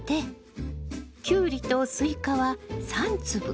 キュウリとスイカは３粒。